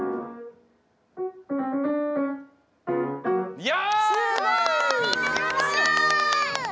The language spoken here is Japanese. いや。